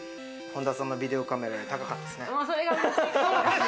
本田さんのビデオカメラより高かったですね。